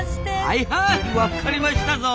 はいはいわっかりましたぞ。